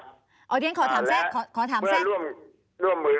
เพื่อร่วมมือ